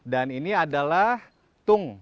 dan ini adalah tung